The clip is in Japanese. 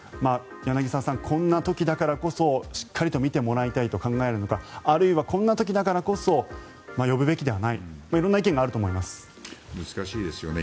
柳澤さん、こんな時だからこそしっかりと見てもらいたいと考えるのかあるいは、こんな時だからこそ呼ぶべきではない難しいですよね。